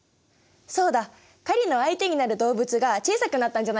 狩りの相手になる動物が小さくなったんじゃないかな。